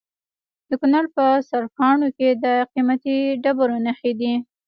د کونړ په سرکاڼو کې د قیمتي ډبرو نښې دي.